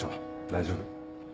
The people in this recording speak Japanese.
大丈夫。